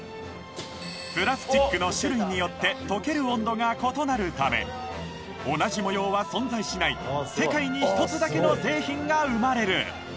プラスチックの種類によって溶ける温度が異なるため同じ模様は存在しない世界に一つだけの製品が生まれる